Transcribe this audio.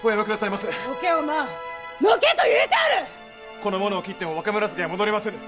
この者を斬っても若紫は戻りませぬ！